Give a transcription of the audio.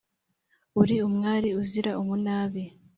Uri umwari uzira umunabi